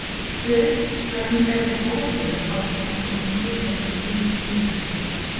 There, I am at the border of my condition as a living being.